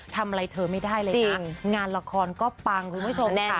ทำอะไรเธอไม่ได้เลยนะงานละครก็ปังคุณผู้ชมค่ะ